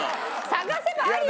探せばあるよ！